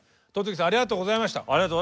戸次さんありがとうございました。